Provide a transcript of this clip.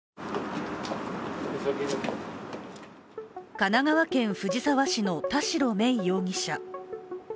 神奈川県藤沢市の田代芽衣容疑者。